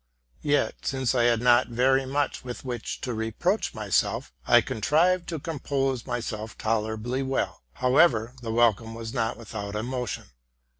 Yet, since I had not very much with which to reproach myself, I contrived to compose myself tolerably well: however, the welcome was not without emotion.